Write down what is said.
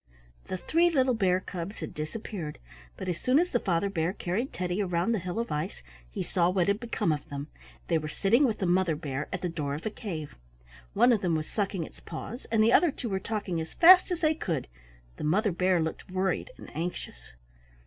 The three little bears cubs had disappeared, but as soon as the Father Bear carried Teddy around the hill of ice he saw what had become of them. They were sitting with the Mother Bear at the door of a cave. One of them was sucking its paws, and the other two were talking as fast as they could. The Mother Bear looked worried and anxious.